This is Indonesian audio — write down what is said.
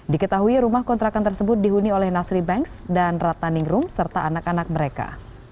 diketahui rumah kontrakan tersebut dihuni oleh nasri banks dan ratna ningrum serta anak anak mereka